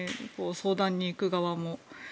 相談に行く側も。